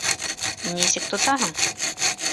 Нисек тотаһың?